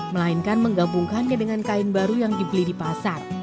melainkan menggabungkannya dengan kain baru yang dibeli di pasar